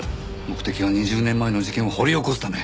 目的は２０年前の事件を掘り起こすため。